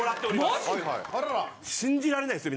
信じられないですよ。